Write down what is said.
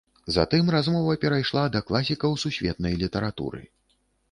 Затым размова перайшла да класікаў сусветнай літаратуры.